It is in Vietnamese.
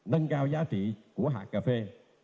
nâng cao giá trị của hạt cà phê